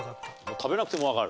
食べなくてもわかる？